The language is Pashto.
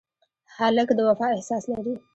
هلک د وفا احساس لري.